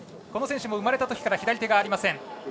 この選手も生まれたときから左腕がありません。